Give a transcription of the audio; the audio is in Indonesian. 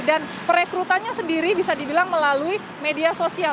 dan perekrutannya sendiri bisa dibilang melalui media sosial